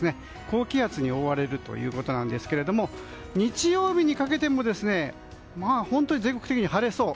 高気圧に覆われるということですが日曜日にかけても本当に全国的に晴れそう。